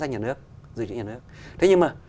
các nhà nước dư dưỡng các nhà nước thế nhưng mà